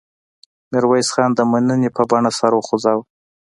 میرویس خان د مننې په بڼه سر وخوځاوه.